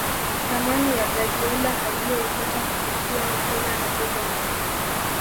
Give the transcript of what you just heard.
Thamani ya Guardiola aliyoipata kupitia mpira ni kubwa